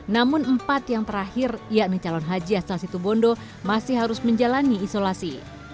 namun empat yang terakhir yakni calon haji asal situbondo masih harus menjalani isolasi